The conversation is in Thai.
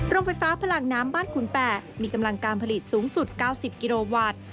โรงไฟฟ้าพลังน้ำบ้านขุนแปะมีกำลังการผลิตสูงสุด๙๐กิโลวัตต์